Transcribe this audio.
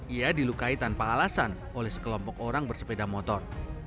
ia dilukai tanpa alasan oleh sekelompok orang bersepeda motor